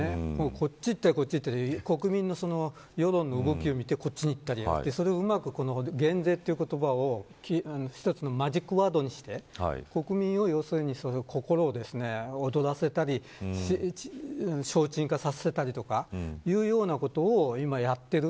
こっちへいったりこっちいったり国民の世論の動きを見てこっちいったり、それをうまく減税という言葉を１つのマジックワードにして国民を、要するに心を躍らせたり消沈させたりとかそういうようなことを今、やっている。